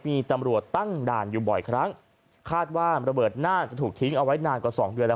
มีตำรวจตั้งด่านอยู่บ่อยครั้งคาดว่าระเบิดน่าจะถูกทิ้งเอาไว้นานกว่าสองเดือนแล้ว